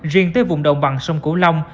riêng tới vùng đồng bằng sông củ long